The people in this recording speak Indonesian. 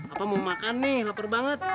apa mau makan nih lapar banget